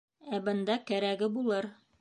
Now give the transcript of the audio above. Ә бында кәрәге булыр.